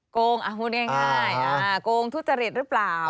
โกงพูดง่ายโกงทุจริตหรือเปล่า